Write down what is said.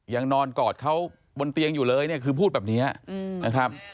ยังนอนกอดเขาบนเตียงอยู่เลยเนี่ยคือพูดแบบนี้นะครับ